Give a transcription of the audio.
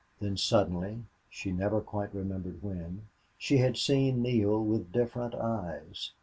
Then suddenly, she never quite remembered when, she had seen Neale with different eyes.